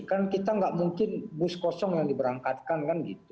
kan kita nggak mungkin bus kosong yang diberangkatkan kan gitu